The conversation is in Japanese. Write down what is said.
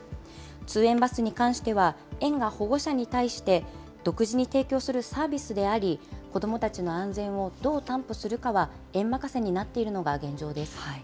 通園バスに関しては、園が保護者に対して独自に提供するサービスであり、子どもたちの安全をどう担保するかは、園任せになっているのが現状です。